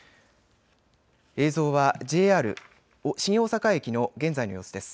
映像はＪＲ新大阪駅の現在の様子です。